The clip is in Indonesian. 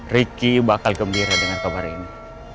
ricky bakal gembira dengan kabar ini